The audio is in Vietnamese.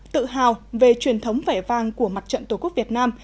tự hào về truyền thống vẻ vang của mặt trận tổ quốc việt nam